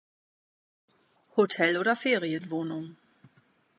Hotel oder Ferienwohnung?